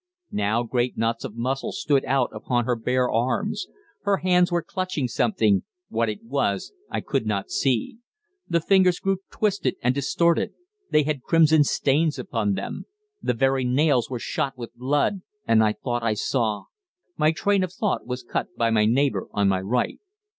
Now great knots of muscle stood out upon her bare arms. Her hands were clutching something what it was I could not see. The fingers grew twisted and distorted ... they had crimson stains upon them ... the very nails were shot with blood and I thought I saw My train of thought was cut by my neighbour on my right.